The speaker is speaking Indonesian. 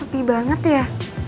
kok sepi banget ya